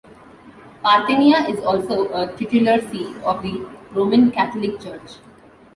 Parthenia is also a titular see of the Roman Catholic Church.